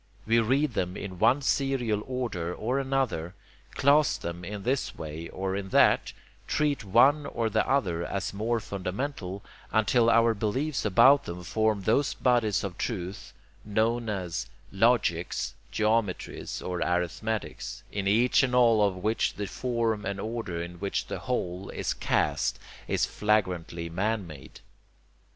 We read them in one serial order or another, class them in this way or in that, treat one or the other as more fundamental, until our beliefs about them form those bodies of truth known as logics, geometries, or arithmetics, in each and all of which the form and order in which the whole is cast is flagrantly man made.